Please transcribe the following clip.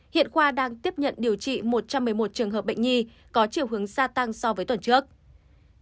hiện khoa đang tiếp nhận điều trị một trăm một mươi một trường hợp bệnh nhi có chiều hướng gia tăng so với tuần trước